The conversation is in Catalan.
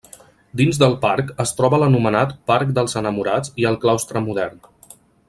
Dins del parc es troba l'anomenat parc dels Enamorats i el Claustre Modern.